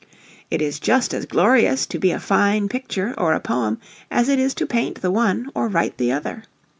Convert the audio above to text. It is just as glorious to be a fine picture or a poem as it is to paint the one, or write the other.